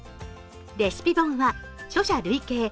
レシピ本は著者累計